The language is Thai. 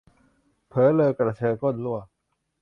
เผอเรอกระเชอก้นรั่ว